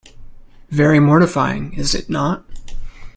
Very mortifying, is it not?